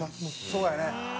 そうやね！